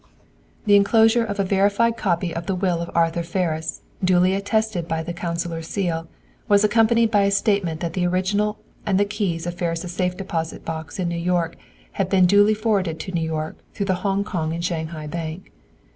The enclosure of a verified copy of the will of Arthur Ferris, duly attested by the consular seal, was accompanied by a statement that the original and the keys of Ferris' safe deposit box in New York had been duly forwarded to New York, through the Hong Kong and Shanghai Bank.